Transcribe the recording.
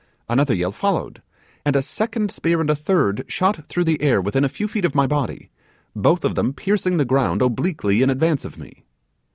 Another yell followed, and a second spear and a third shot through the air within a few feet of my body, both of them piercing the ground obliquely in advance of me.